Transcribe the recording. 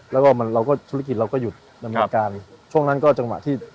แล้วก็มันเราก็ธุรกิจเราก็หยุดดำเนินการช่วงนั้นก็จังหวะที่